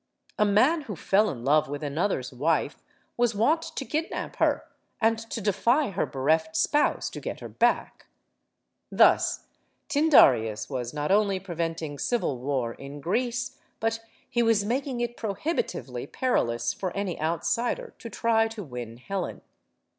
A man who fell in love with another's wife was wont to kidnap her and to defy her bereft spouse to get her back. Thus, Tyndareus was not only preventing civil war in Greece, but he was making it prohibitively perilous for any outsider to try to win Helen.